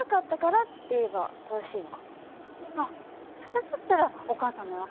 あっそれだったらお母さんも分かるよ。